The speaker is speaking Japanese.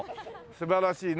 素晴らしいね。